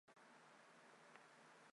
常州武进人。